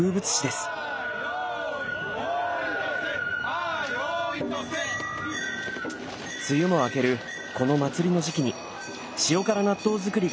梅雨も明けるこの祭りの時期に塩辛納豆造りが始まります。